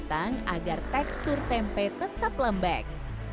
mendoan akan dimasak sempat agar tekstur tempe tetap lembek